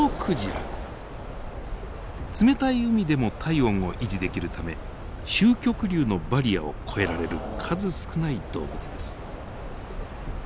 冷たい海でも体温を維持できるため周極流のバリアを越えられる数少ない動物です。